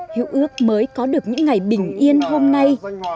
hiệu ước mới có được những ngày bình yên hôm nay